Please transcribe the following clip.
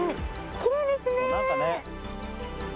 きれいですね。